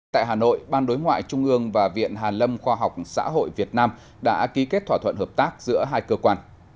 tại hà nội ban đối ngoại trung ương và viện hàn lâm khoa học xã hội việt nam đã ký kết thỏa thuận hợp tác giữa hai cơ quan